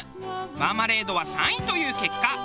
マーマレードは３位という結果。